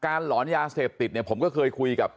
การลอนยาเศษติดผมก็เคยคุยกับ